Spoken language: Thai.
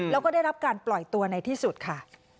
แล้วก็ได้รับการปล่อยตัวในที่สุดค่ะ